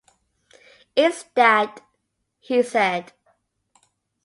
"It's that," he said.